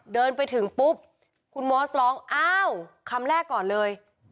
เดินไปถึงปุ๊บคุณมอสร้องอ้าวคำแรกก่อนเลย